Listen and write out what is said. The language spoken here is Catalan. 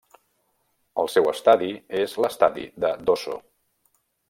El seu estadi és l'Estadi de Dosso.